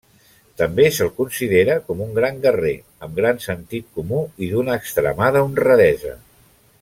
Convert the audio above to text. També se'l considera com un gran guerrer amb gran sentit comú i d'una extremada honradesa.